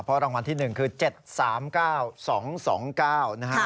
เพราะรางวัลที่๑คือ๗๓๙๒๒๙นะฮะ